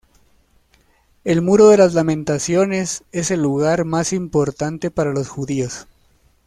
El Muro de las Lamentaciones es el lugar más importante para los judíos.